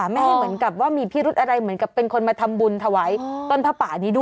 ไม่ให้เหมือนกับว่ามีพิรุธอะไรเหมือนกับเป็นคนมาทำบุญถวายต้นผ้าป่านี้ด้วย